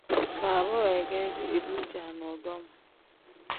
Baaba weegeezi ibu caanadom.